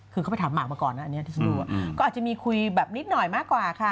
คือเขาไปถามหมากมาก่อนนะอันนี้ที่ฉันดูก็อาจจะมีคุยแบบนิดหน่อยมากกว่าค่ะ